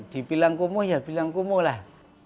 di bilang kumuh ya bilang kumuh lah